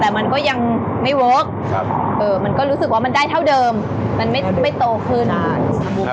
แต่มันก็ยังไม่เวิร์คมันก็รู้สึกว่ามันได้เท่าเดิมมันไม่โตขึ้นอ่ะ